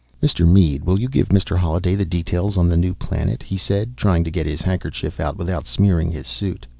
"Mr. Mead, will you give Mr. Holliday the details on the new planet?" he said, trying to get his handkerchief out without smearing his suit.